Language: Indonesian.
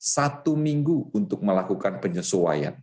satu minggu untuk melakukan penyesuaian